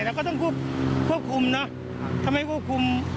แต่ว่าถ้ามุมมองในทางการรักษาก็ดีค่ะ